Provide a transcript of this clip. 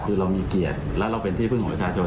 คือเรามีเกียรติและเราเป็นที่พึ่งของประชาชน